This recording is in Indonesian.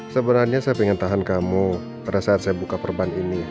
sebenarnya saya ingin tahan kamu pada saat saya buka perban ini